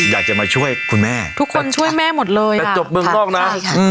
อยากจะมาช่วยคุณแม่ทุกคนช่วยแม่หมดเลยแต่จบเมืองนอกนะใช่ค่ะ